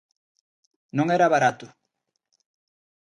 Non era barato.